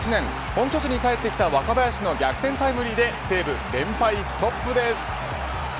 本拠地に帰ってきた若林の逆転タイムリーで西武、連敗ストップです。